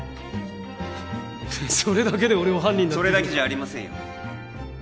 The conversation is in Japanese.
それだけで俺を犯人だってそれだけじゃありませんよ